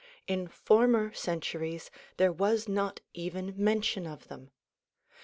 In former centuries there was not even mention of them.